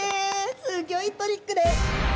すギョいトリックです。